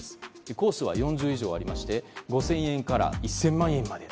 コースは４０以上ありまして５０００円から１０００万円まで。